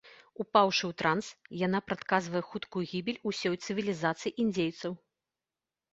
Упаўшы ў транс, яна прадказвае хуткую гібель усёй цывілізацыі індзейцаў.